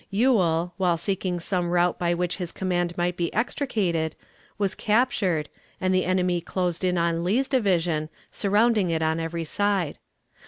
Ewell, while seeking some route by which his command might be extricated, was captured, and the enemy closed in on Lee's division, surrounding it on every side.